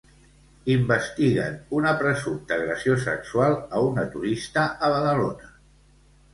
Investiguen una presumpta agressió sexual a una turista a Badalona.